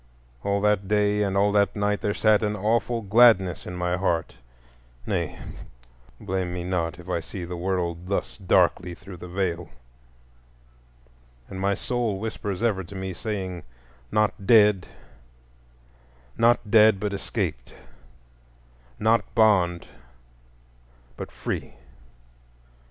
All that day and all that night there sat an awful gladness in my heart,—nay, blame me not if I see the world thus darkly through the Veil,—and my soul whispers ever to me saying, "Not dead, not dead, but escaped; not bond, but free."